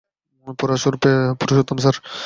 Porous ওরফে Purushottam, sir.